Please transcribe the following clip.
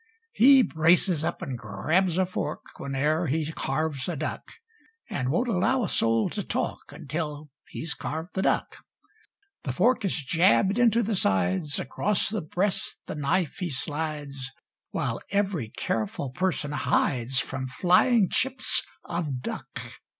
He braces up and grabs a fork Whene'er he carves a duck And won't allow a soul to talk Until he's carved the duck. The fork is jabbed into the sides Across the breast the knife he slides While every careful person hides From flying chips of duck.